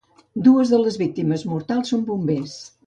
Dues de les víctimes mortals són bombers.